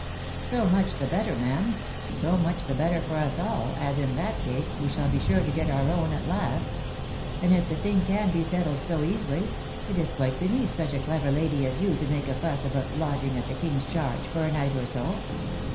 " So much the better, ma'am — so much the better for us all, as, in that case, we shall be sure to get our own at last ; and if the thing can be settled so easily, it is quite beneath such a clever lady as you to make a fuss about lodging at the king's charge for a night or so.